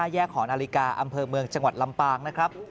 หอนาฬิกาอำเภอเมืองจังหวัดลำปางนะครับ